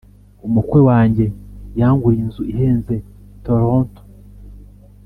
Umukwe wanjye yanguriye inzu ihenze tolonto